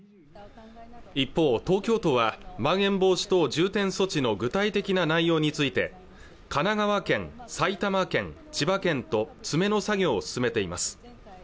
一方東京都はまん延防止等重点措置の具体的な内容について神奈川県埼玉県千葉県と詰めの作業を進めています